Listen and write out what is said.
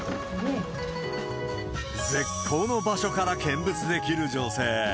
絶好の場所から見物できる女性。